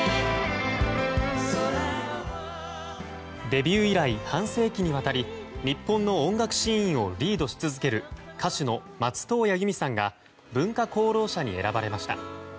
デビュー以来、半世紀にわたり日本の音楽シーンをリードし続ける歌手の松任谷由実さんが文化功労者に選ばれました。